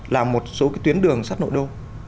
làm một số cái tuyến đường sắt nội đô